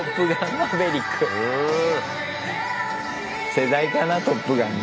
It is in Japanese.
世代かな「トップガン」の。